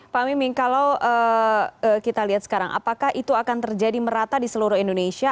pak miming kalau kita lihat sekarang apakah itu akan terjadi merata di seluruh indonesia